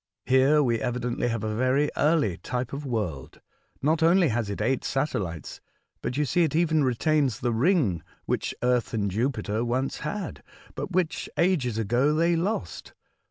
Here we evidently have a very early type of world. Not only has it eight satellites, but you see it even retains the ring which Earth and Jupiter once had, but which ages ago they lost.